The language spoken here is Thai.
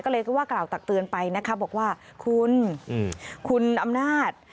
ก็เลยก็ว่ากล่าวตักเตือนไปนะคะบอกว่าคุณคุณอำนาจ